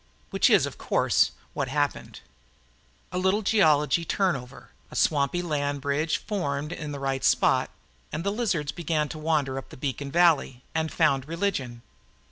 Which is, of course, what happened. A little geological turnover, a swampy land bridge formed in the right spot, and the lizards began to wander up beacon valley. And found religion.